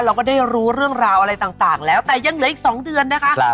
เราก็ได้รู้เรื่องราวอะไรต่างแล้วแต่ยังเหลืออีก๒เดือนนะคะ